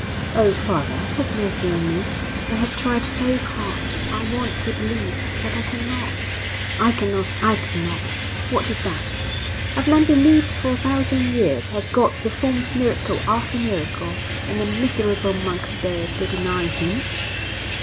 'Oh, father, have mercy on me! I have tried so hard. I want to believe. But I cannot.' 'I cannot! I cannot! What is that? Have men believed for a thousand years has God performed miracle after miracle and a miserable monk dares to deny Him?'